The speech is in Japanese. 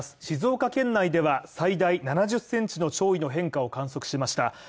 静岡県内では最大７０センチの潮位の変化を観測しました。